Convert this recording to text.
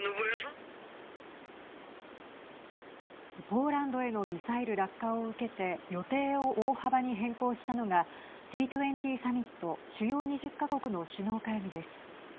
ポーランドへのミサイル落下を受けて予定を大幅に変更したのがＧ２０サミット＝主要２０か国の首脳会議です。